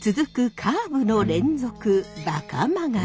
カーブの連続馬鹿曲。